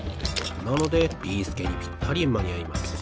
なのでビーすけにぴったりまにあいます。